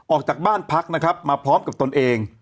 ออกจากบ้านพักมาพร้อมกับตนเอง